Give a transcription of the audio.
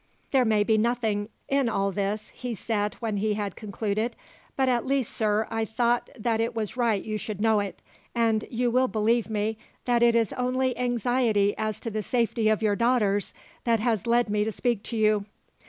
"There may be nothing in all this," he said when he had concluded. "But at least, sir, I thought that it was right you should know it; and you will believe me, that it is only anxiety as to the safety of your daughters that has led me to speak to you."